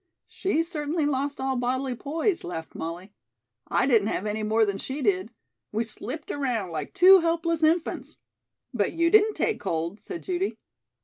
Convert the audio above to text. "She certainly lost all bodily poise," laughed Molly. "I didn't have any more than she did. We slipped around like two helpless infants." "But you didn't take cold," said Judy.